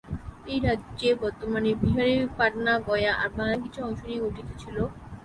এই রাজ্য বর্তমানের বিহারের পাটনা, গয়া আর বাংলার কিছু অংশ নিয়ে গঠিত ছিল।